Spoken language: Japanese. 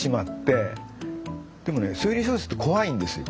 でもね推理小説って怖いんですよ。